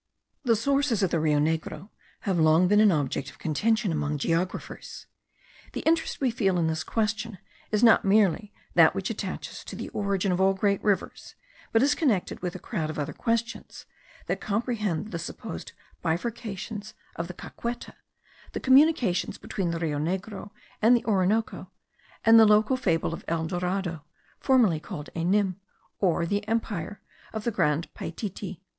The sources of the Rio Negro have long been an object of contention among geographers. The interest we feel in this question is not merely that which attaches to the origin of all great rivers, but is connected with a crowd of other questions, that comprehend the supposed bifurcations of the Caqueta, the communications between the Rio Negro and the Orinoco, and the local fable of El Dorado, formerly called Enim, or the empire of the Grand Paytiti.